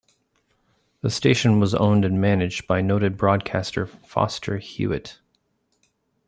The station was owned and managed by noted broadcaster Foster Hewitt.